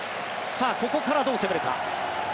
ここからどう攻めるか。